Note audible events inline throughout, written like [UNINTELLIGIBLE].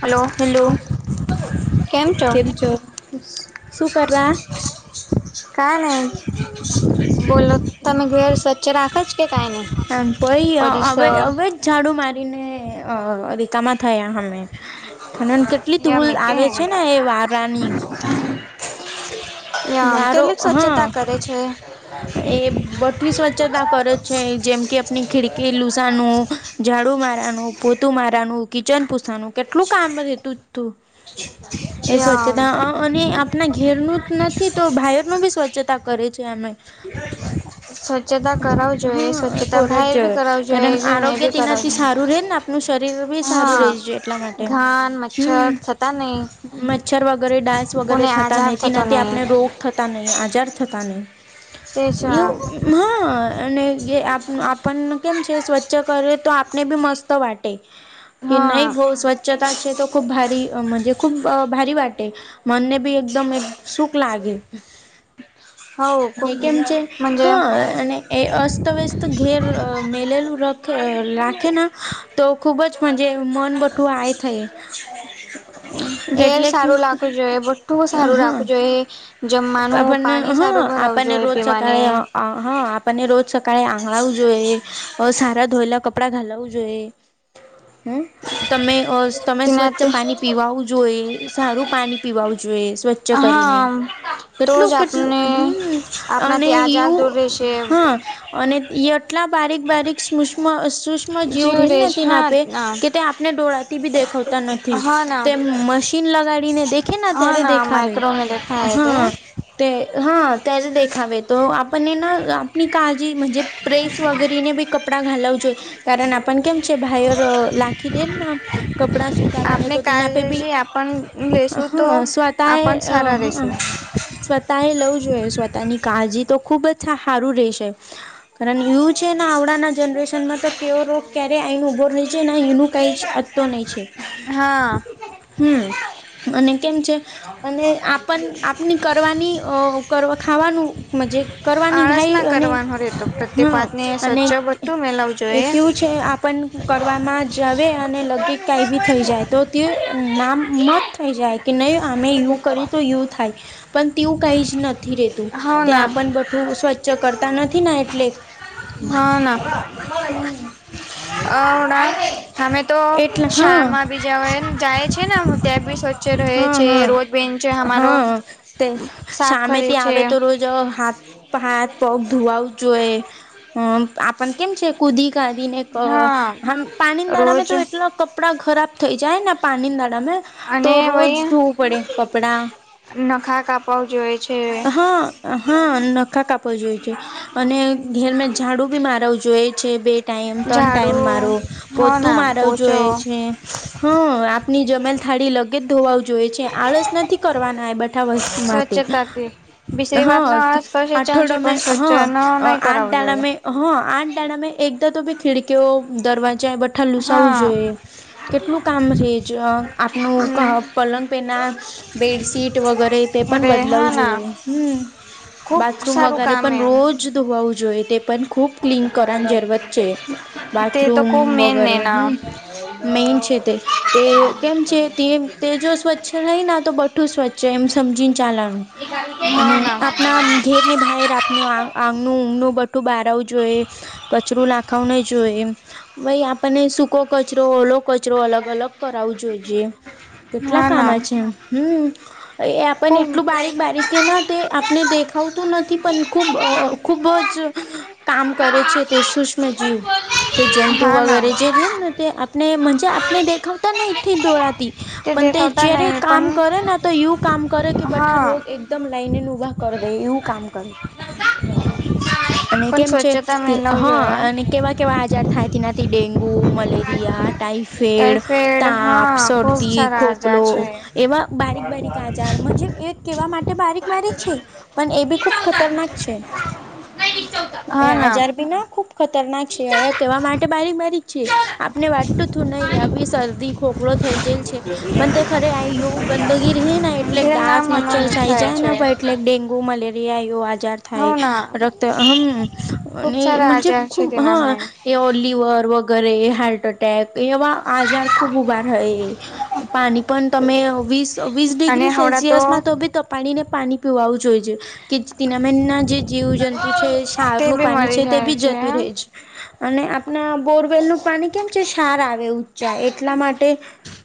Hello hello. કે છો? શું કરા? કા નઈ બોલો તમે ઘેર સ્વચ્છ રાખો છ? ભઈ અવે અવેજ ઝાડુ મારીને અ રીકામાં થયા અમે. અને કેટલી એ અમે ધૂલ કે આવે એને છે ને એ વારાની એ આમ વારો કેટલીક હા સ્વચ્છતા કરે છે. એ બઠી સ્વછતાં કરે છે ઈ જેમ કે અપની ખીડકી લુસાનું, ઝાડુ મારાનું, પોતું મારાનું, કિચન પૂસાનું કેટલું કામે બધે તું તું. એ યામ સ્વચ્છતા અ અને આપણા ઘેરનું નથી, તો ભાયરનું બી સ્વચ્છતા કરે છે અમે સ્વચ્છતા કરાવું જોઈએ સ્વ્ કોર જ જોવે કારણ આરોગ્ય બી કરાવું તેનાથી જોઈએ સારું રેને આપણું શરીર બી સારું હા રેવું જોઈએ એટલા માટે. ઘાન ટે મચ્છર થતા નહી હમ્મ. મચ્છર વગેરે ડાંસ વગેરે કોને થતાં આજાર નહીં થતો તેનાથી નહી આપણે રોગ થતા નહીં આજાર થતા નહીં. તેજ એવું હમ્મ અને ગૈ આપ આપણ કેમ છે સ્વચ્છ કરે તો આપને બી મસ્ત વાટે કે હા નહીં ભવ સ્વચ્છ ચતા છે તો ખૂબ ભારી મજે ખૂબ અ ભારી વાટે. મનને બી એકદમ એ સુખ લાગે. હવ ખુબ ને કેમ છે મનજે હા અને એ અસ્તવ્યસ્ત ઘેર અ મેલેલ તું રખ અ રાખેના તો ખુબજ મનજે મન બટું આય થય. ઘેર એટલે સારું લાગવું જોઈએ બ તું સારું હા રાખવું જોઈએ જમવાનું, આપણને પાણી સારું ભરાવુ જોઈએ પીવાને. અ હા આપણને રોજ સકાળે આંગણાવું જોઈએ. અ સારા ધોયેલા કપડાં ઘાલાવું જોઈએ હમ્મ તમે ઓ તમે સ્વચ્છ તેનાથી પાની પીવાવું જોઈએ. સારું પાની પીવાવું જોઈએ, સ્વચ્છ કરીને હા તો જ કેટલું કેટલું આપને હમ્મ અને એવું એમ. હા અને યેટલા બારીક બારીક સુષ્મ સુ સૂષ્મ જીવ રેન રેજ નથી ન હા આપે ના કે તે આપને ડોળાવતી બી દેખાવતા નથી. હા ના તેમ મશીન લગાડીને દેખેન હા ત્યારે ના દેખાવે માઇક્રોમે દેખાય તે હા. તે હા ત્યારે દેખાવે તો આપણને ન આ ની કાજી મજે પ્રેસ વગેરીને બી કપડા ઘાલવજો કારણ આપણ કેમ છે ભાયર લા ખી દેના કપડા સુકારાને આપણે તો તીના પે ભી કાળજી આપણ લેશું હ તો સ્વા તાય આપણ અ સારા રેશું હ સ્વતા એ લવું જોઈએ સ્વતાની કાળજી તો ખુબ જ સારું રેશે. કારણ યુ છે, ને આવડાના જનરેશનમાં તો કેવો રોગ ક્યારે આઈને ઊભો રહે છે, ને એનું કઈ જ અત તો નઈ છે. હા હમ અને કેમ છે? અને આપન આપની કરવાની ખાવાનું મજે કરવાની આળસ ઘાય ના અને કરવાનો રહેતો પ્રત્યેક હા વાતને અને સ્વચ્છ બધું મેલાવું એ જોઈએ. કેવું છે, આપન કરવાનું માં જ આવે અને લગ કઈ બી થઈ જાય તો તે નામ મત થઈ જાય કે નય અમે યું કર્યું તો યું થાય પણ તેવું કજ નથી રેતું હો તે ના આપ બધું સ્વચ્છ કરતા નથી ને એટલે. હા - ના અવડા હમેતો એટલે હા શાળા માં બીજા વયના જાય છેને હું ત્યાં બી રહે હા છે, હા રોજ બેન્ચો અમારો સાફ કરે ત્યાં છે આવે તો રો જી હાથ હાથ પગ ધોવાવું જોઈએ. આપણ કેમ છે. કૂદી કાદી ને ક હા પાણી દાડા માં રોજ તો એટલા કપ કપડાં ખરાબ થઈ જાય ને પાણી દાડામે અને વય ધોવું પડે કપડા નખા કાપાવ જોએ છે હા હા નખા કાપવા જોઈએ છે, અને ઘેરમાં ઝાડુ બી મારવું જોઈએ છે, બેટ ટાઈમ ત્રણ ઝાડુ ટાઈમ મારો હો પોતું ના મારવું પોચો જોએ છે, હા આપણી જમેલ થાળી લગે જ ધોવા છે, આળસ નથી કરવાના એ બધા વસ્તુ માટે સ્વચ્છતાથી બીસરી વાત હા નો અસ્પર્શ ચાલશે આઠડમે પણ સ્વચ્છ હા નો નહી આઠ કરાવવો જોઈએ ડાળમે હા આઠદાડા મેં એકદા તો ભી ખિડકીઓ દરવાજા બ ધુ લુસાવું હા જોઈએ કેટલું કામ રહે જ આપનું હમ લંગ પેના બેડશીટ વગેરે તે પણ અરે હા બદલાવું ના જોઈએ હમ ખુબ બાથરૂમ સારું વગેરે કામ પણ એમ રોજ ધોવાવું જોઈએ તે પણ ખૂબ ક્લીન કરની જરૂર છે, તે તો બાથરૂમ ખુબ મેન ને વગેરે ના હમ મેઈન છે, તે તે કેમ છે, તે તે જો સ્વચ્છ રહીને તો બધુ સ્વચ્છ એમ સમજીને ચલાનું અને આપણા ઘે આપની બાર આપણનું આ આંગનું ઊંઘનું બધુ બહાર આવવું જોઈએ કચરો નાખાવો નહી જોઈએ ભાઈ આપણને સૂકો કચરો ઓલો કચરો અ અલગ અલગ કરાવું જોઈએ. [UNINTELLIGIBLE] કેટલા કામ છે, હમ એ આપ એટલું બારીક બારીક કે તે આપને દેખ આવતું નથી પણ ખૂબ ખૂબ જ કામ કરે છે, તે જીવ તે જંતુ વગેરે જે રે આપનેજ આપને દેખાવતા ને થી ડોળથી પણ તે દેખાતા જયારે નહી પણ કામ કરે ને તો એવું કામ કરે કે બધા હા રોગ ઉદમ લઈને ઊભા કરી દે એવું કામ કર અને પણ કેમ છે, સ્વચ્છતા મેલાવું હા જોઈએ અને કેવા કેવા આજાર થાય તેનાથી dengue malaria typhoid, typhoid તાપ, હા ખુબ સર્દી, સારા ખોકલો આજાર છે. એવા બારીક બારીક આજારમાં જે કે કેવા માટે બારીક મારીક છે, પણ એ બી ખુબ ખતરનાક છે. એ હા ના આજાર બીના ખુબ ખતરનાક છે, કેવા માટે બારીક બારીક છે, આપને વાટતું હતું નહી આવી શરદી ખો થઈ જાય. છે પણ તે ખરે આયો ગંદગી રહેે ને એટલે જે નામ ડાસ મચ્છર મનોનું થઇ થાય જાય છે ને એટલે ડેંગુ મલેરિયા એવ આજાર હવ ના થાય રક્ત હમ ખુબ અને સારા મ્હજે આજાર છે ખૂબ તેના મે હ એવ લીવર વગેરે હાર્ટ એટેક એવા આજાર ખૂબ ઉભા રહે પાણી પણ તમે વીસ વીસ અને ડિગ્રી હવડા સેલ્સિયસ માં તો તે તપાડીને પાણી પીવાવું જ હોઈ છે કે તેનામા જે જીવ જંતુ છે તે ક્ષારનું બી પાણી મરી છે તે જાય બી જતું રહે જ અને ને આ બોરવેલ નું પાણી કેમ છે ક્ષાર આવે ઊંચા એટલા માટે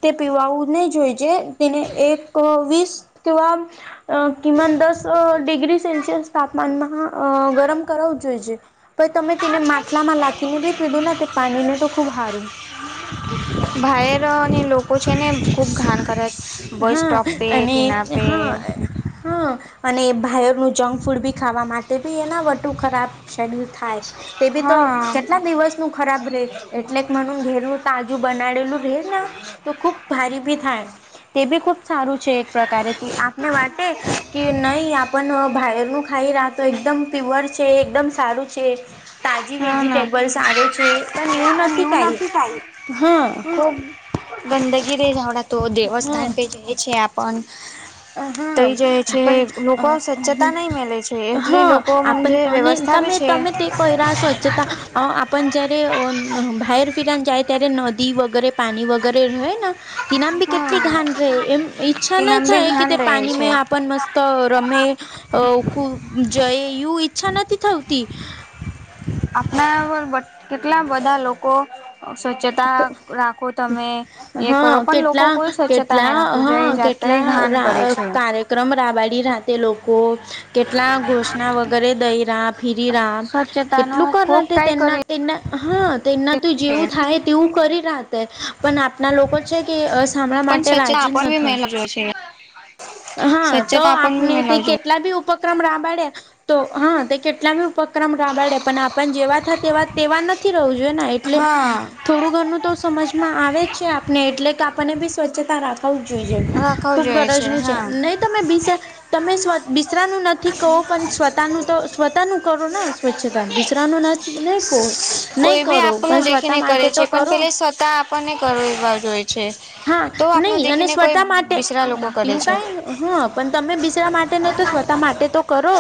તે પીવાવું નહી જોઈ છે તેને એક વીસ કેવા કિમાન દસ ડિગ્રી સેલ્સિયસ તાપમાનમાં ગરમ કરાવું જોઈ એ પણ તમે તેને માટલામાં નાખીને ભી પીધું તે પાણીને તો ખુબ સારું બાઈર અને લોકો છે ને ખૂબ ઘાણ કરે છે. હા અને હા હા અને બાયર નું જંક ફૂડ ભી ખાવા માટે તે બી એના વટું ખરાબ શેડ્યુલ થાય તે બી તો હા કેટલા દિવસ ખરાબ રે એટલે મ ઘેરનું તાજુ બનાડેલું રે ન તો ખૂબ ભારી ભી થાય. તે બી ખૂબ સારું છે એક પ્રકારે કે આપને વાટે કે નહીં આપણ બાહરનું ખાઈ રાખ તો એકદમ પ્યોઅર છે, એકદમ સારું છે. તાજી હા ના વેજીિટેબલ્સ આવે છે પણ એવું નથી કઈ હમ ગંદગીરી જવડા તો હા દેવસ્થાન પ જાય છે આપણ હા તઈ જાય છે આપણ અ લોકો સ્વચ્છતા નહી મેલે છે એટલી હા લોકો આપણ મન્જે અને વ્યવસ્થા બી તમે છે. તમે તે કોઈ રાહ સ્વચતા અ આપણ જય્યારે ભાહર ફિરાને જાય ત્યારે નદી વગેરે પાણી વગેરે રહે ન ઇ નામ બી કેટલી હા ઘાન રે એમ ઈચ્છા નાહી લંબી થાય. ઘાન રહે છે આપન મસ્ત રમે ખૂ જય એવું ઈચ્છા નથી થવતી આપણા વટ કેટલા બધા લોકો સ્વચ્છતા રાખો તમે એ કરો હા પણ લોકો કેટલા કોઈ સ્વચ્છતા નહી કેટલા રાખતું જઈ હા જાત કેટલા કાર્યક્રમ રાબાડી રાતે લોકો કેટલા ઘોષણા વગેરે દઈ રહ ફીરી રા સ્વચ્છતા ન કેટલું કર ખુબ ર કઈ તેમના કરી તેના હા તેના તો છે, જેવું થાય તેવું કરી રાખ પણ આપણા લોકો છે કે સાભળા માટે રાજી નથી. મેલા ર છે. હા તો સ્વચ્છતા આપણ બી આપને તે મેલાવ કેટ જોઈએ કેટલા બી ઉપક્રમ રાબાડે તો હા તે કેટલા બી ઉપક્રમ રાબાડે પણ આ પણ જેવા થ તેવા તેવા નથી રહેવું જોઈએ ને એટલે હા થોડું ઘરનું તો સમજમાં આવે જ છે આપને એટલે કે આપણને બી સ્વચ્છતા રાખ ખા વુ જ જોઈ છે રાખવું ખુબ જોઈએ ગરજનું છે હા નહી તમે બ તમે બિસરાનું નથી કહો પણ સ્વતાનું તો સ્વતા નું કરો ને સ્વચ્છતા બિસરાનું નથી નહી કહો નહી કોઈ બી કરો આપણું પણ દેખીને સ્વતામાં કરે છે પણ પે સ્વતા આપણને કરવા જોઈ છે હા તો આપણ નહીં અને દેખીને કોઈ સ્વતા માટે બિસરા લોકો કરે એવું છે. કાંઈ હા પણ તમે બિસરા માટે નહી તો સ્વતા માટે તો કરો.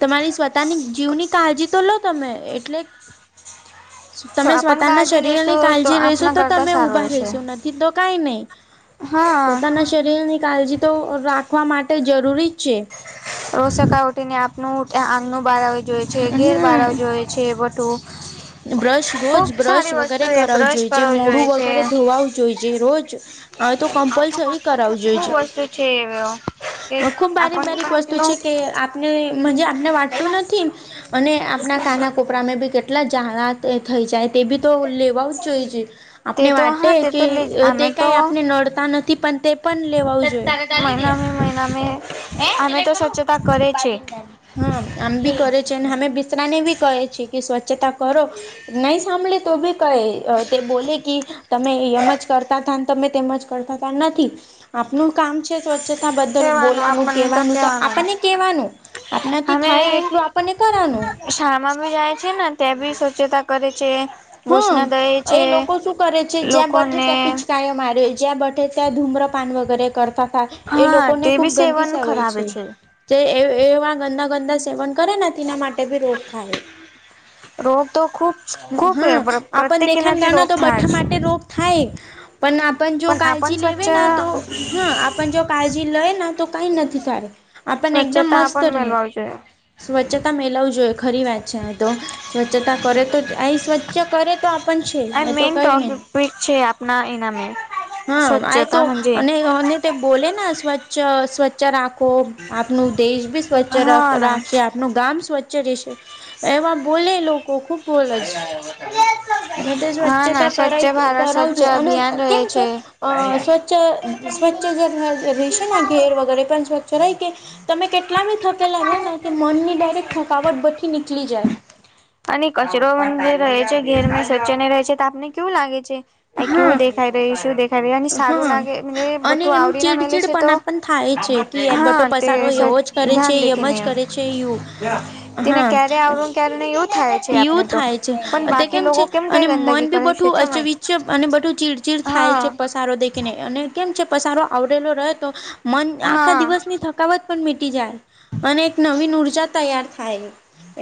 તમારી સ્વતાની જીવની કાળજી તો લો તમે એટલે તમે સ્ વાત આપણ તના કાળજી શરીરની લેશું તો કાળજી રશો આપણા તો કરતા તમે સારું ઊભા રહેશે. રહેશો નથી તો કાઈ નહી હા શરીરની કાળજી તો રાખવા માટે જરૂરી જ છે. ર સકા ઉઠીને આપનું આનું બાર જોયએ છે ઘેર બારવા હમ જોએ છે બટું બ્રશ રોજ બ્રશ વસ્તુ વગેરે એ કરાવું બ્રશ જોઈએ જે કરવો મોડું જોઈએ છે વગેરે ધોવાવું જોઈએ જે રોજ આ તો કમ્પલસરી કરાવું જોઈએ ખુબ છે. વસ્તુ છે એ વ્યો. અ ખુબ બારીક-બારીક વસ્તુ છે કે આપને મજે આપને વાટતું નથી. અને આપણા કાના કોપરા મે બી કેટલા જાડા થઈ જાય. તે બી તો લેવાઉ જ જોઈએ જે. આપને તે તો વાટે હા તે કે તો લે તે અમે અ કઈ તો આપને નડતા નથી પણ તે પણ લેવાઉ જોઈએ. મહિના બે મહિના મે અમે તો સ્વચ્છતા કરે છે. હા આમ ભી કરે છે અને હમે બિસ્રાા ને ભી કહે એ કે સ્વચ્છતા કરો. નહી સાંભળે તો બી કહે તે અ બોલે કે તમે યમ જ કરતા હતા તમે તેમજ કરતા તા નથી આપનું કામ છે સ્વ છતા બદલ કેવાનું બોલાનું આપણને કવાનું તો કેવાનું આપણને કેવાનું. આપણાથી થાય એટલું આપણને કરવાનું. શાળામા જાય છે ને ત્યાં બી સ્વચ્છતા કરે છે. હમ્મ ઘોષણા દે એ છે લોકો શું કરે છે જ્યાં બેઠે લોકોને ત્યાં પિચકાયો મારે. જ્યાં બઠે ત્યાં ધૂમ્રપાન વગેરે કરતા તા એ હા લોકોને તે બી ખૂબ ગંદી સેવન સવાય ખરાબે છે. જે એ એ એવા ગંદા-ગંદા સેવન કરે ને તીના માટે ભી રોગ થાય. રોગ તો ખૂબ ખૂબ હા આપણ પ્રત્યેક દેખાય ને એનાથી ગના રોગ તો થાય બઠ્ઠા જ માટે રોગ થાય. પણ આપણ જો પણ આપણ કાળજી લેવે સ્વચ્છ ના તો હા આપણ જો કાળજી લઈના તો કઈ નથી થાય. આપણને એકદમ સ્વચ્છતા મસ્ત પણ રહે. મેલવાવી જોઈએ સ્વચ્છતા મેલવ જોઈ ખરી વાત છે તો સ્વચ્છતા કરે તો જ આ સ્વ્છ ક્યાં કરે તો આપ પણ છે, ને તો કઈ નહી. પ્રીક છે આપના એના મે. હા આઈ તો અને ઓને તે બોલેના સ્વ્છ સ્વચ્છ રાખો આપનું દેશ ભી સ્વચ્છ રખ હા ના રાખઈ આ નું ગામ સ્વચ્છ રહેશે, એવા બોલે લો અને હા સ્વચ્છતા સ્વચ્છ કરાઈ ભારત સ્વચ કરાવજો ચા અને અભિયાન રહે કેમ છે. અ સ્વચ્છ સ્વચ્છ જ ઘર રશે ને ઘેર વગેરે એ પણ સ્વચ્છ રહી કે તમે કેટલા બી થકેલા રહો ને કે મનની ડાયરેક થકાવટ બઘી નીકલી જાય. અને કચરો વન રહે છે ઘેરમે સ્વચ્છ રહે છે તો આપને કેવું લાગે છે? આ કેવું હા દેખાઈ રહી શું દેખાઈ રહી? અને સારું હા લાગે એ અને બધુ એમ આવડી ના મેલે ચીડચીડ છે તો પણ પણ થાય છે કે એ હા બટો તે પસારો સર એવો જ કરે છે ધ્યાન એમ દેખને. જ કરે છે યુ તેને હા ક્યારે આવુ ક્યારે ને એવું થાય? એવું આપને તો થાય છે પણ તે બાકી કેમ છે લોકો કઈ અને મન ગંદકી બી કરે બઢુ છે છોમાં અચવિચ અને બધું ચીડચીડ થાય હા છે. પસારો દેખને અને કેમ છે પસારો આવડેલો રે તો મન આખા હા દિવસની થકાવત પણ મીટી જાય અને એક નવીન ઉર્જા તૈયાર થાય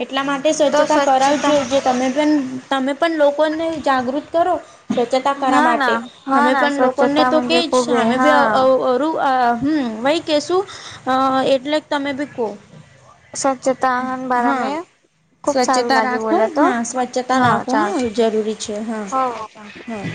એટલા માટે સ્વચ્છતા કરાવવું જ જોઈએ, જે તમે પણ તમે પણ લોકોને જાગૃત કરો. સ્વચ્છતા કરવા હા માટે ના હા અમે ના પણ લોકોને સ્વચ્છતા મજે કેચ ખૂબ હે અમે બી હા અવ અવ અ તું અ હમ્મ મય કેશું અ એટલે તમે ભી કો. સ્વચ્છતા હન બારા મે ખુબ સારું સ્વચ્છતા લાગ્યું રાખો બોલે તો, હા હ સ્વચ્છતા રાખો હા ચાલસે જરૂરી છે હા હવ. હા